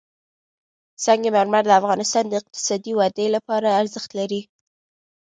سنگ مرمر د افغانستان د اقتصادي ودې لپاره ارزښت لري.